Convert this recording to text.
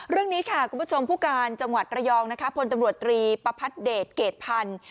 เรื่องนี้ค่ะคุณผู้ชมผู้การจังหวัดระยองนะคะพลตำรวจตรีประพัดเดชเกรดพันธ์